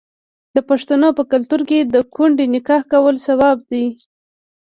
د پښتنو په کلتور کې د کونډې نکاح کول ثواب دی.